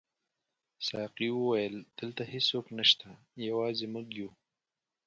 ساقي وویل: دلته هیڅوک نشته، یوازې موږ یو.